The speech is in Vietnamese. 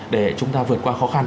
để chúng ta vượt qua khó khăn